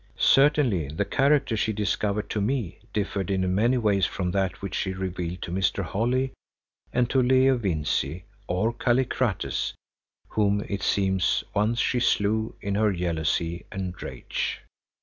Certainly the character she discovered to me differed in many ways from that which she revealed to Mr. Holly and to Leo Vincey, or Kallikrates, whom, it seems, once she slew in her jealousy and rage.